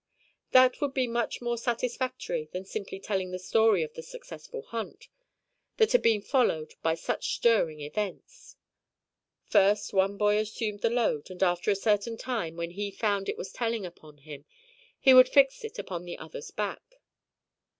That would be much more satisfactory than simply telling the story of the successful hunt, that had been followed by such stirring events. First one boy assumed the load and after a certain time, when he found it was telling upon him, he would fix it upon the other's back.